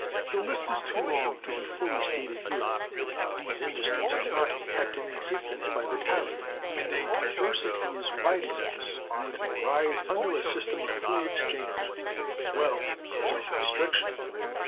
The list is too long to be fully stated here. These industries are not kept in existence by the tariff; and a diversity as wide as this would arise under a system of free exchange, as well as of restriction.